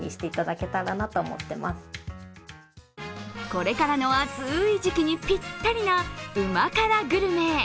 これからの暑い時期にぴったりな旨辛グルメ。